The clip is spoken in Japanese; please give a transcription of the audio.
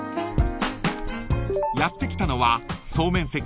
［やって来たのは総面積